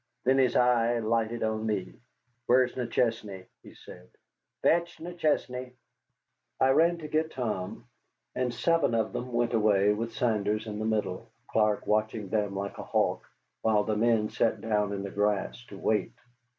Then his eye lighted on me. "Where's McChesney?" he said. "Fetch McChesney." I ran to get Tom, and seven of them went away, with Saunders in the middle, Clark watching them like a hawk, while the men sat down in the grass to wait.